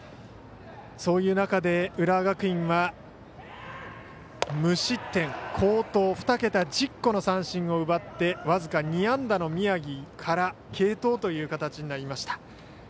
そういう中で浦和学院は無失点、好投、２桁１０個の三振を奪って僅か２安打の宮城から継投という形になりました。